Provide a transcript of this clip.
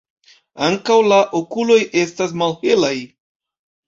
Ankaŭ la okuloj estas malhelaj.